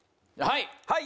はい！